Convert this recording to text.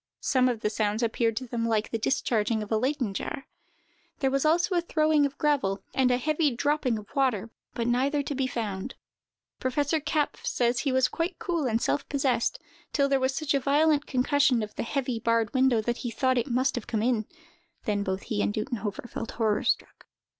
Some of the sounds appeared to them like the discharging of a Leyden jar. There was also a throwing of gravel, and a heavy dropping of water, but neither to be found. Professor Kapff says that he was quite cool and self possessed, till there was such a violent concussion of the heavy, barred window, that he thought it must have come in; then both he and Duttenhofer felt horror struck.